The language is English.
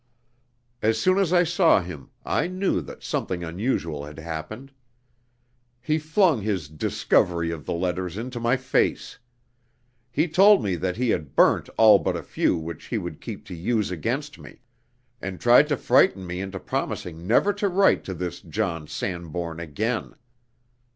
"As soon as I saw him, I knew that something unusual had happened. He flung his 'discovery' of the letters into my face. He told me that he had burnt all but a few which he would keep to 'use' against me, and tried to frighten me into promising never to write to 'this John Sanbourne' again.